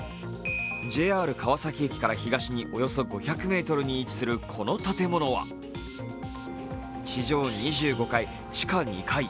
ＪＲ川崎駅から東におよそ５００ｍに位置するこの建物は地上２５階・地下２階